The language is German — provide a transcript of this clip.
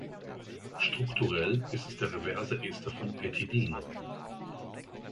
Strukturell ist es der reverse Ester von Pethidin.